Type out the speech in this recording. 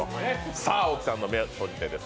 大木さんの「目閉じて？」です！